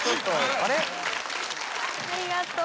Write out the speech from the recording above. ありがとう。